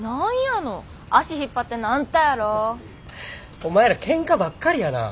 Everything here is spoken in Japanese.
お前らケンカばっかりやな。